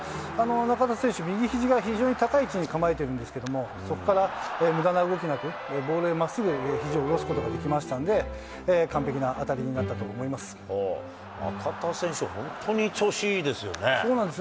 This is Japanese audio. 中田選手、右ひじが非常に高い位置に構えてるんですけども、そこからむだな動きなく、ボールへまっすぐひじを下ろすことができましたんで、中田選手、本当に調子いいでそうなんです。